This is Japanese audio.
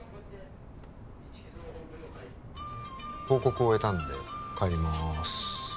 報告を終えたんで帰ります